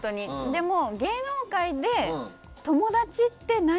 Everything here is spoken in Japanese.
でも、芸能界で友達って何？